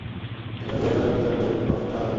একজন গোয়েন্দাও তুমি প্রেরণ করেছিলে পাপিষ্ঠ নরাধম!